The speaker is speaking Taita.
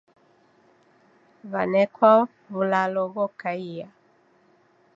W'anekwa w'ulalo ghokaia